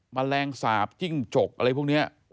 แมลงสาบจิ้งจกอะไรพวกนี้